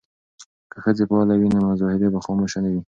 که ښځې فعالې وي نو مظاهرې به خاموشه نه وي.